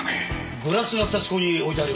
グラスが２つここに置いてありますね。